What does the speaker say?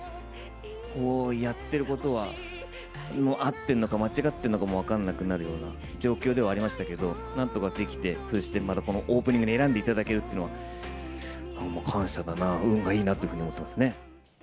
やってることは合ってるのか間違ってるのかも分かんなくなるような状況ではありましたけど、なんとかできて、そしてまたこのオープニングで選んでいただけるというのは、感謝だな、運がいいなというふうに思ってますね。